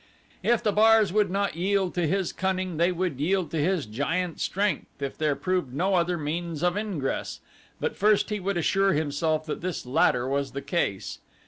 If the bars would not yield to his cunning they would yield to his giant strength if there proved no other means of ingress, but first he would assure himself that this latter was the case.